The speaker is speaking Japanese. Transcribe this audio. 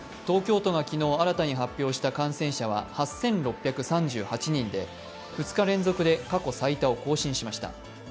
東京都が昨日新たに発表した感染者は８６３８人で２日連続で、過去最多を更新しました。